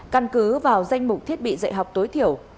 căn cứ vào danh mục thiết bị dạy học tối thiểu